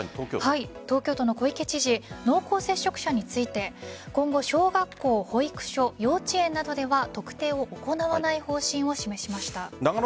東京都の小池知事濃厚接触者について今後、小学校、保育所幼稚園などでは特定を行わない方針を示しました。